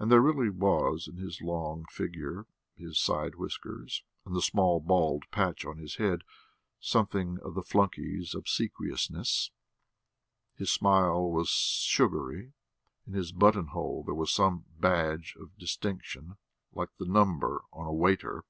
And there really was in his long figure, his side whiskers, and the small bald patch on his head, something of the flunkey's obsequiousness; his smile was sugary, and in his buttonhole there was some badge of distinction like the number on a waiter.